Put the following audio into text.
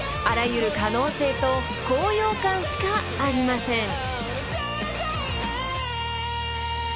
あらゆる可能性と高揚感しかありません］